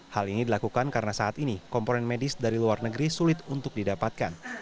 hal ini dilakukan karena saat ini komponen medis dari luar negeri sulit untuk didapatkan